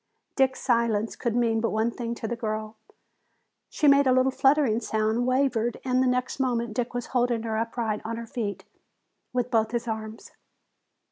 Dick's silence could mean but one thing to the girl. She made a little fluttering sound, wavered, and the next moment Dick was holding her upright on her feet with both his arms.